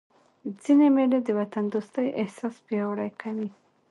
ځيني مېلې د وطن دوستۍ احساس پیاوړی کوي.